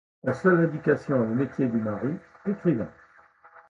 La seule indication est le métier du mari, écrivain.